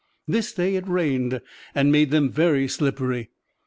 This day it rained and made them very slippery.